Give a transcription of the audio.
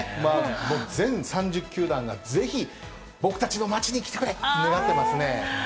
もう全３０球団がぜひ、僕たちの街に来てくれと願ってますね。